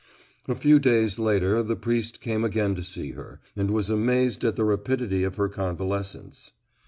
A few days later the priest came again to see her and was amazed at the rapidity of her convalescence.